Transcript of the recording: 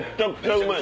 うまい！